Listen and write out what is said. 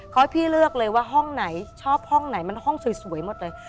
ให้พี่เลือกเลยว่าห้องไหนชอบห้องไหนมันห้องสวยหมดเลย